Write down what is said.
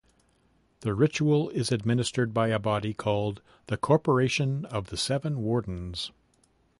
The ritual is administered by a body called The Corporation of the Seven Wardens.